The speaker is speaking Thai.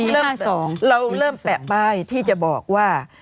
เราเริ่มแปะป้ายที่จะบอกว่า